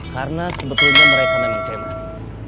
karena sebetulnya mereka memang cemerlang